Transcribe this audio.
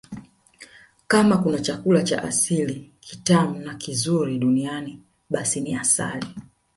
Kama kuna chakula cha asili kitamu na kizuri duniani basi ni asali